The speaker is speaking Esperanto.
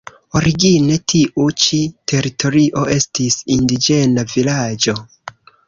Origine tiu ĉi teritorio estis indiĝena vilaĝo.